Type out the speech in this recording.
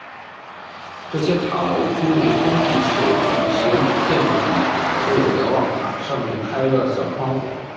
这些塔楼均为全封闭式矩形建筑体，设有瞭望塔，上面开了小窗户。